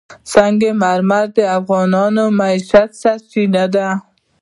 سنگ مرمر د افغانانو د معیشت سرچینه ده.